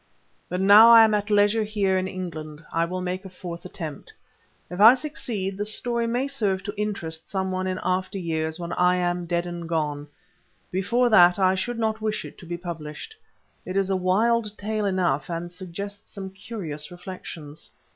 But now that I am at leisure here in England, I will make a fourth attempt. If I succeed, the story may serve to interest some one in after years when I am dead and gone; before that I should not wish it to be published. It is a wild tale enough, and suggests some curious reflections.